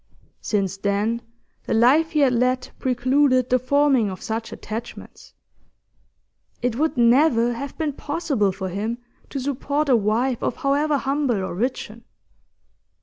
Since then the life he had led precluded the forming of such attachments; it would never have been possible for him to support a wife of however humble origin.